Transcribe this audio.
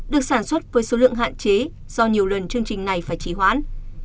được sản xuất với số lượng hạn chế do nhiều lần chương trình này phải chỉ hoãn